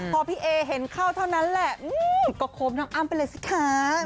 พอพี่เอเห็นเข้าเท่านั้นแหละก็โคมน้องอ้ำไปเลยสิคะ